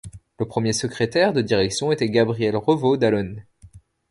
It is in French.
Le premier secrétaire de direction était Gabriel Revault d'Allonnes.